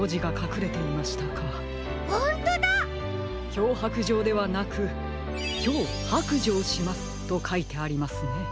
「きょうはくじょう」ではなく「きょうはくじょうします」とかいてありますね。